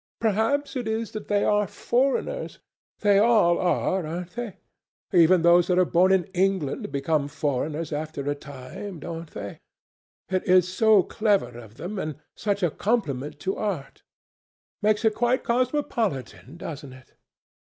Perhaps it is that they are foreigners. They all are, ain't they? Even those that are born in England become foreigners after a time, don't they? It is so clever of them, and such a compliment to art. Makes it quite cosmopolitan, doesn't it?